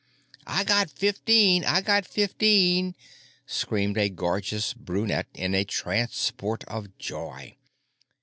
"I got fifteen! I got fifteen!" screamed a gorgeous brunette in a transport of joy.